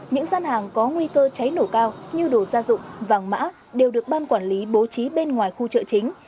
những gian hàng có nguy cơ cháy nổ cao như đồ gia dụng vàng mã đều được ban quản lý bố trí bên ngoài khu chợ chính